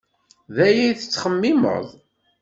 D aya ay tettxemmimeḍ.